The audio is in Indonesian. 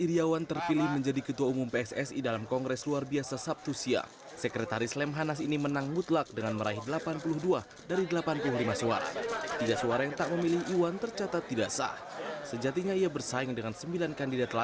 iwan bule yang turut diantar ibu undanya mengaku bersyukur dengan memperoleh delapan puluh dua suara dari total delapan puluh lima voters yang mengikuti kongres